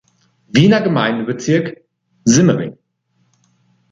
Wiener Gemeindebezirk, Simmering.